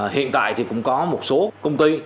hiện tại thì cũng có một số công ty